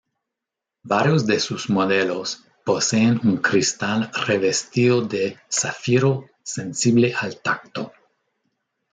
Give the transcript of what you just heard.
Varios de sus modelos poseen un cristal revestido de zafiro sensible al tacto.